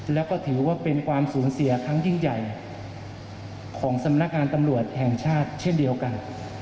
แล้วก็ถือว่าเป็นความสูญเสียครั้งยิ่งใหญ่ของสำนักงานตำรวจแห่งชาติเช่นเดียวกัน